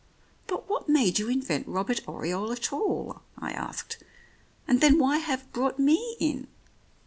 " But what made you invent Robert Oriole at all?" I asked. "And then why have brought me in?"